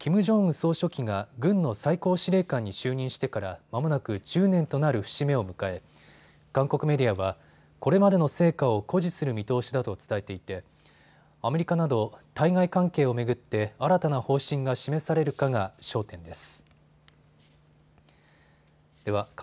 総書記が軍の最高司令官に就任してからまもなく１０年となる節目を迎え、韓国メディアはこれまでの成果を誇示する見通しだと伝えていてアメリカなど対外関係を巡って新たな方針が示されるかが焦点です。